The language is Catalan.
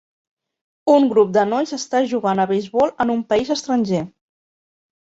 Un grup de nois està jugant a beisbol en un país estranger.